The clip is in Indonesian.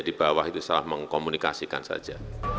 di bawah itu salah mengkomunikasikan saja